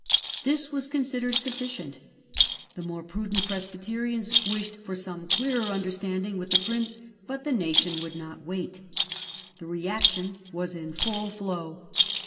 This was considered sufficient. The more prudent Presbyterians wished for some clearer understanding with the prince, but the nation would not wait. The reaction was in full flow.